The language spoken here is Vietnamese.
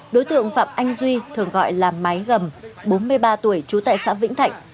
đối tượng phạm anh duy thường gọi là máy gầm bốn mươi ba tuổi trú tại xã vĩnh thạnh